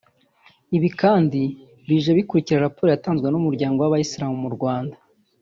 Ibi kandi bije bikurikira raporo yatanzwe n’umuryango w’abayisilamu mu Rwanda